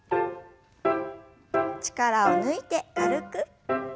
力を抜いて軽く。